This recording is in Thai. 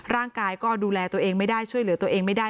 ร่างกายก็ดูแลตัวเองไม่ได้ช่วยเหลือตัวเองไม่ได้